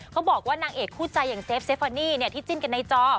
บอกว่านางเอกคู่ใจอย่างเซฟเซฟานี่ที่จิ้นกันในจอ